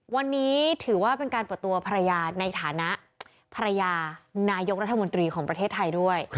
วันนี้ถือว่าเป็นการเปิดตัวภรรยาในฐานะภรรยานายกรัฐมนตรีของประเทศไทยด้วย